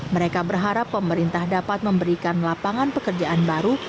mereka berharap pemerintah dapat memberikan lapangan pekerjaan baru